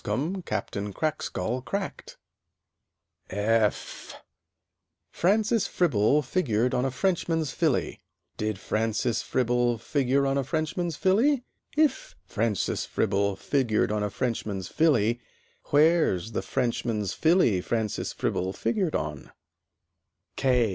F f [Illustration: Francis Fribble] Francis Fribble figured on a Frenchman's Filly: Did Francis Fribble figure on a Frenchman's Filly? If Francis Fribble figured on a Frenchman's Filly, Where's the Frenchman's Filly Francis Fribble figured on?